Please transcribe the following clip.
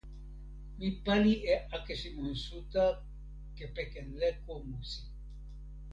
mi pali e akesi monsuta kepeken leko musi.